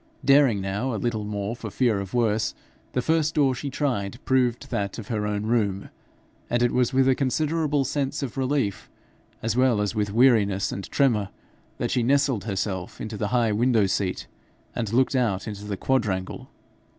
Daring now a little more for fear of worse, the first door she tried proved that of her own room, and it was with a considerable sense of relief, as well as with weariness and tremor, that she nestled herself into the high window seat, and looked out into the quadrangle.